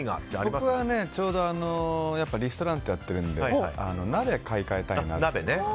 僕はちょうどリストランテやってるんで鍋を買い替えたいなと。